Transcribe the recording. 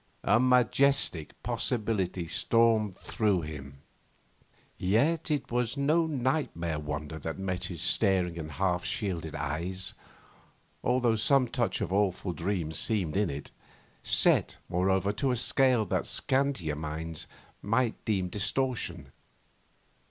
A majestic possibility stormed through him. Yet it was no nightmare wonder that met his staring and half shielded eyes, although some touch of awful dream seemed in it, set, moreover, to a scale that scantier minds might deem distortion.